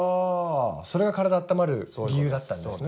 それが体あったまる理由だったんですね？